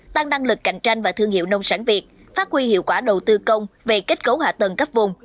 tăng năng lực cạnh tranh và thương hiệu nông sản việt phát huy hiệu quả đầu tư công về kết cấu hạ tầng cấp vùng